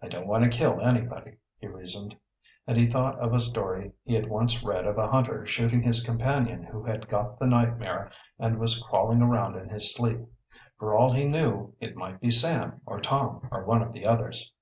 "I don't want to kill anybody," he reasoned. And he thought of a story he had once read of a hunter shooting his companion who had got the nightmare and was crawling around in his sleep. For all he knew, it might be Sam or Tom, or one of the others.